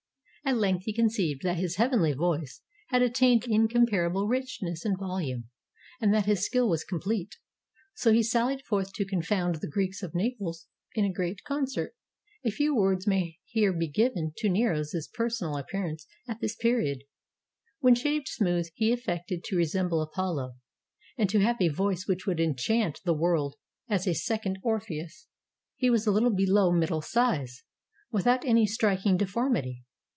431 ROME At length he conceived that his "heavenly voice" had attained incomparable richness and volume, and that his skill was complete; so he sallied forth to confound the Greeks of Naples in a great concert. A few words may here be given to Nero's personal appearance at this period. When shaved smooth, he affected to resemble Apollo, and to have a voice which would enchant the world as a second Orpheus. He was a Uttle below middle size, without any striking deform ity.